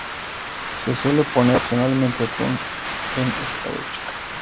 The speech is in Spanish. Se suele poner opcionalmente atún en escabeche.